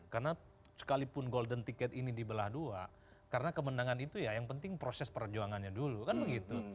karena sekalipun golden ticket ini dibelah dua karena kemenangan itu ya yang penting proses perjuangannya dulu kan begitu